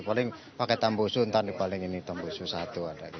paling pakai tambusu ntar paling ini tambusu satu ada